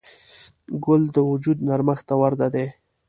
ګل د وجود نرمښت ته ورته دی.